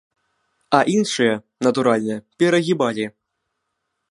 А іншыя, натуральна, перагібалі.